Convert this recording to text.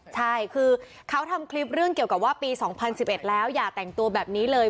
ใช่คือเขาทำคลิปเรื่องเกี่ยวกับว่าปี๒๐๑๑แล้วอย่าแต่งตัวแบบนี้เลย